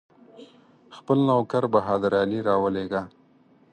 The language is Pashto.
خپل نوکر بهادر علي راولېږه.